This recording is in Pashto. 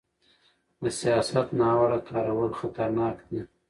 د سیاست ناوړه کارول خطرناک دي